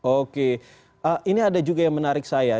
oke ini ada juga yang menarik saya